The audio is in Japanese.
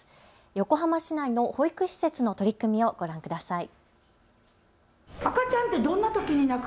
横浜市内の保育施設の取り組みをご覧ください。